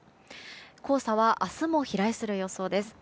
黄砂は明日も飛来する予想です。